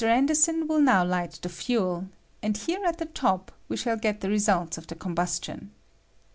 Anderson will now light the fuel, and here at the top we shall get the results of the combustion.